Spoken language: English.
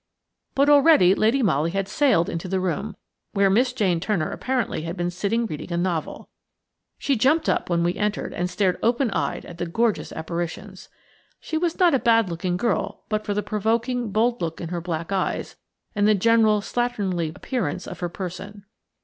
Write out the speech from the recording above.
But already Lady Molly had sailed into the room, where Miss Jane Turner apparently had been sitting reading a novel. She jumped up when we entered, and stared open eyed at the gorgeous apparitions. She was not a bad looking girl but for the provoking, bold look in her black eyes, and the general slatternly appearance of her person.